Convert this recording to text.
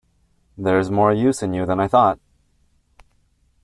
There’s more use in you than I thought.